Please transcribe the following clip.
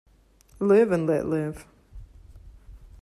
Live and let live.